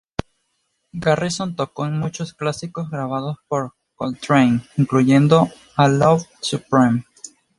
Garrison tocó en muchos clásicos grabados por Coltrane, incluyendo "A Love Supreme".